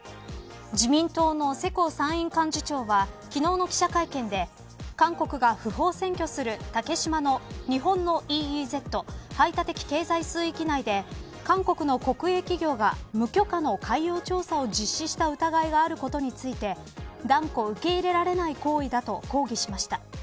自民党の世耕参院幹事長は昨日の記者会見で韓国が不法占拠する竹島の日本のＥＥＺ排他的経済水域内で韓国の国営企業が無許可の海洋調査を実施した疑いがあることについて断固受け入れられない行為だと抗議しました。